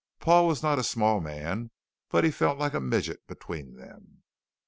Paul was not a small man but he felt like a midget between them.